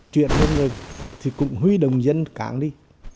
chuyển lên rồi thì cũng huy đồng dân cản đi